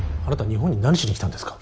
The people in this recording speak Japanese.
日本に何しに来たんですか？